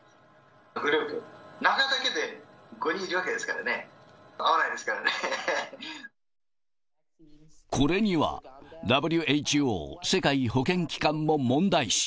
グループの中だけで、５人いるわけですからね、これには、ＷＨＯ・世界保健機関も問題視。